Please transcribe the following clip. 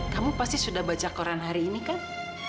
kamu pasti sudah baca koran hari ini kan